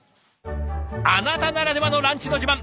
あなたならではのランチの自慢